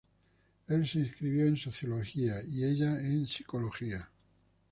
Él se inscribió en Sociología y ella, en Psicología.